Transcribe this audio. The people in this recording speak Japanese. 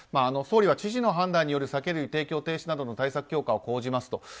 総理は知事の判断による酒類の提供停止の対策を講じますと。